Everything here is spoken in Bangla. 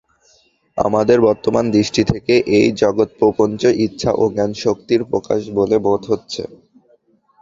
আমাদের বর্তমান দৃষ্টি থেকে এই জগৎপ্রপঞ্চ ইচ্ছা ও জ্ঞানশক্তির প্রকাশ বলে বোধ হচ্ছে।